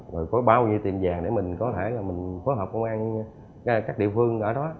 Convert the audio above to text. rồi có bao nhiêu tiệm vàng để mình có thể phối hợp công an các địa phương ở đó